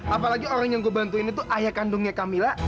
apalagi orang yang gue bantuin itu ayah kandungnya camilla